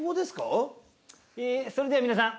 ええそれでは皆さん